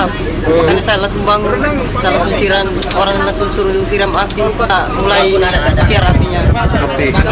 makanya saya langsung bangun langsung suruh siram api tak mulai siar apinya